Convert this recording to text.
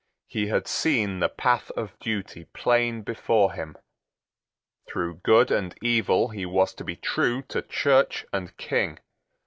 He had seen the path of duty plain before him. Through good and evil he was to be true to Church and King.